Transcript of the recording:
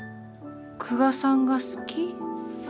久我さんが好き。